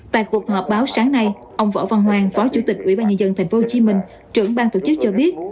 tại cuộc họp báo sáng nay ông võ văn hoàng phó chủ tịch ủy ban nhân dân tp hcm trưởng bang tổ chức cho biết